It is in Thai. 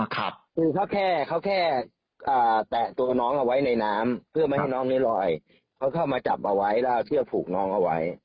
คือเขาแค่เขาแค่แตะตัวน้องเอาไว้ในน้ำเพื่อไม่ให้น้องนี้ลอยเขาเข้ามาจับเอาไว้แล้วเอาเชือกผูกน้องเอาไว้